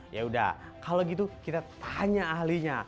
yaudah kalau gitu kita tanya ahlinya